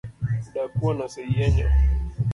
Dakwuon oseyienyo